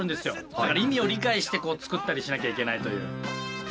だから意味を理解してこう作ったりしなきゃいけないという。